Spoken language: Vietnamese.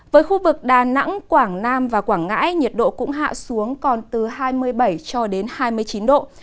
với khu vực đà nẵng quảng nam và quảng ngãi nhiệt độ cũng hạ xuống còn từ hai mươi bảy cho đến hai mươi chín độ